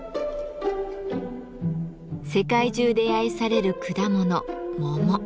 世界中で愛される果物「桃」。